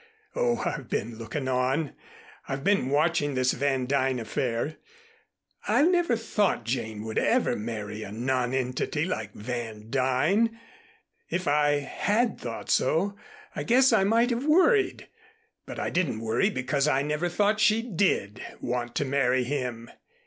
Oh, I've been looking on. I've been watching this Van Duyn affair. I've never thought Jane would ever marry a nonentity like Van Duyn. If I had thought so, I guess I might have worried. But I didn't worry because I never thought she did want to marry him.